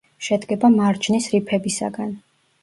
შედგება მარჯნის რიფებისაგან.